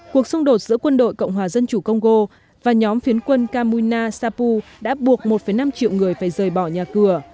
cuộc xung đột giữa quân đội cộng hòa dân chủ congo và nhóm phiến quân kamuna sapu đã buộc một năm triệu người phải rời bỏ nhà cửa